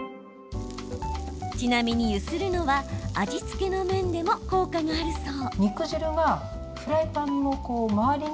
ちなみに揺するのは味付けの面でも効果があるそう。